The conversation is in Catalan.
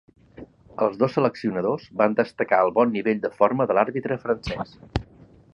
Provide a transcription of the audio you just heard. Els dos seleccionadors van destacar el bon nivell de forma de l'àrbitre francès.